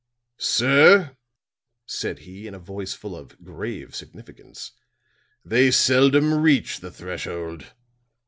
"Sir," said he, in a voice full of grave significance, "they seldom reach the threshold.